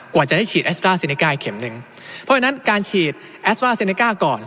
กว่าจะได้ฉีดแอสตราเซเนก้าอีกเข็มหนึ่งเพราะฉะนั้นการฉีดแอสตราเซเนก้าก่อน